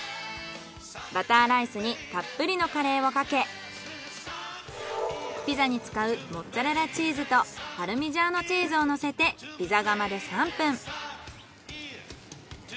バターライスにたっぷりのカレーをかけピザに使うモッツァレラチーズとパルミジャーノチーズをのせてピザ釜で３分。